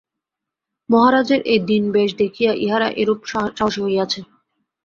মহারাজের এই দীন বেশ দেখিয়া ইহারা এরূপ সাহসী হইয়াছে।